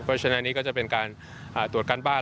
เพราะฉะนั้นอันนี้ก็จะเป็นการตรวจการบ้าน